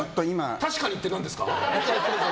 確かにって何ですか？